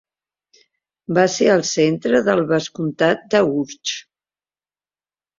Va ser el centre del vescomtat d'Urtx.